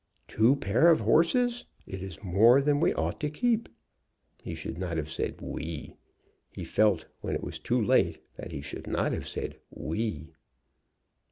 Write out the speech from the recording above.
"Two pair of horses! It's more than we ought to keep." He should not have said "we." He felt, when it was too late, that he should not have said "we."